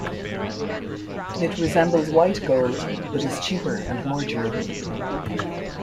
It resembles white gold, but is cheaper and more durable.